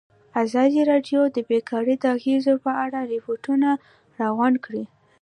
ازادي راډیو د بیکاري د اغېزو په اړه ریپوټونه راغونډ کړي.